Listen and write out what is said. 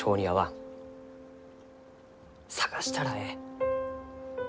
探したらえい。